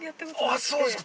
◆あぁ、そうですか。